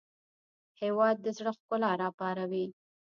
هېواد د زړه ښکلا راپاروي.